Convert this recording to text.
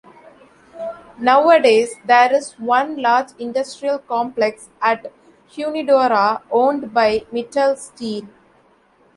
Nowadays, there is one large industrial complex at Hunedoara owned by Mittal Steel.